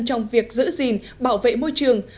trong việc giữ gìn bảo vệ môi trường